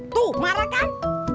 tuh marah kan